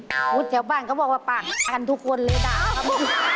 พูดแถวบ้านเขาบอกว่าปะกันทุกคนเลยด่าครับผม